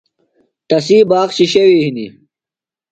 تسی باغ شِشیوی ہِنی۔